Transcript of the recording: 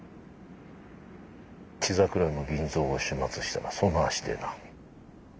血桜の銀蔵を始末したらその足でな。